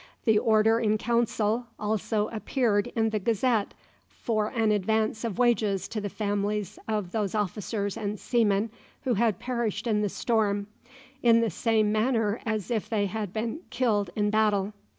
The Order in Council also appeared in the Gazette for an advance of wages to the families of those officers and seamen who had perished in the storm, in the same manner as if they had been killed in battle.